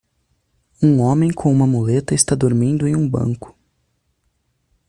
Um homem com uma muleta está dormindo em um banco.